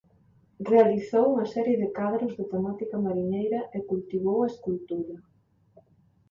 Realizou unha serie de cadros de temática mariñeira e cultivou a escultura.